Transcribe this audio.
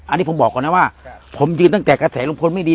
อันนี้ผมบอกก่อนนะว่าผมยืนตั้งแต่กระแสลุงพลไม่ดี